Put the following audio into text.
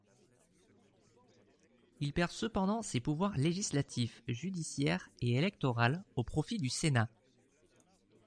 Il perd cependant ces pouvoirs législatif, judiciaire et électoral au profit du sénat.